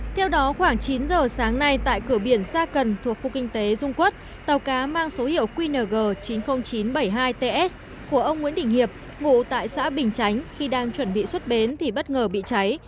theo đó khoảng chín giờ sáng nay tại cửa biển sa cần thuộc khu kinh tế dung quốc tàu cá mang số hiệu qng chín mươi nghìn chín trăm bảy mươi hai ts của ông nguyễn đình hiệp ngụ tại xã bình chánh khi đang chuẩn bị xuất bến thì bất ngờ bị cháy